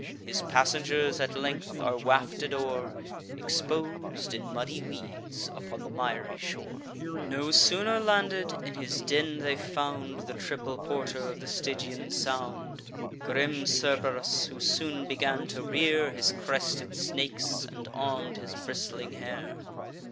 His passengers at length are wafted o'er, Expos'd, in muddy weeds, upon the miry shore. No sooner landed, in his den they found The triple porter of the Stygian sound, Grim Cerberus, who soon began to rear His crested snakes, and arm'd his bristling hair.